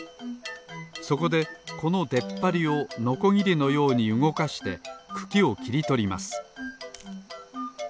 そこでこのでっぱりをのこぎりのようにうごかしてくきをきりとります